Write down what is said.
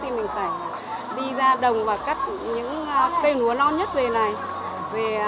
thì mình phải đi ra đồng và cắt những cây lúa non nhất về này